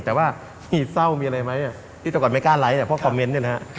แต่ว่าหีบเศร้ามีอะไรไหมที่แต่ก่อนไม่กล้าไลค์เพราะคอมเมนต์เนี่ยนะฮะ